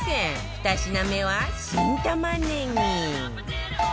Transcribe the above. ２品目は新玉ねぎ